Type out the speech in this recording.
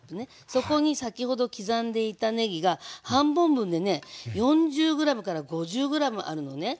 そこに先ほど刻んでいたねぎが半本分でね４０ｇから５０ｇあるのね。